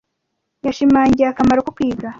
Yashimangiye akamaro ko kwiga.